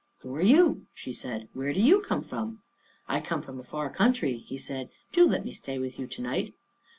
"Who are you?" she said. "Where do you come from?" "I come from a far country," he said; "do let me stay with you to night."